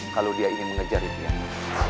kalau dia ingin mengejar impianmu